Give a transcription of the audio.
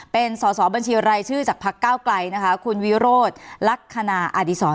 เป็นศบัญชีอะไรชื่อจากภักดิ์เก้าไกลนะคะคุณวิโรศลัคคณาอดีศร